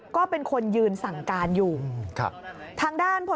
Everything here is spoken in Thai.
ก็เป็นคนยืนสั่งการอยู่ทางด้านครับ